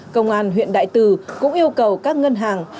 công an huyện đại từ cũng yêu cầu các ngân hàng